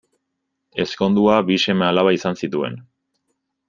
Ezkondua, bi seme-alaba izan zituen.